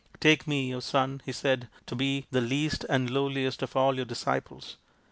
" Take me, son," he said, " to be the least and lowliest of all your disciples."